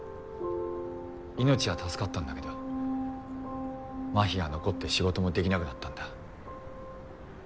命は助かったんだけど麻痺が残って仕事もできなくなったんだ。